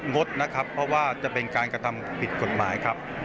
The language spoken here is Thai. งดนะครับเพราะว่าจะเป็นการกระทำผิดกฎหมายครับ